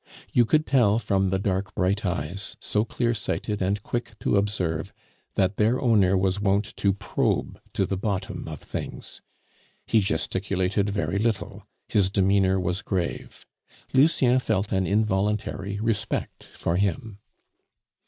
You could tell from the dark bright eyes, so clear sighted and quick to observe, that their owner was wont to probe to the bottom of things. He gesticulated very little, his demeanor was grave. Lucien felt an involuntary respect for him.